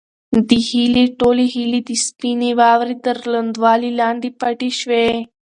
د هیلې ټولې هیلې د سپینې واورې تر لوندوالي لاندې پټې شوې وې.